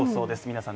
皆さん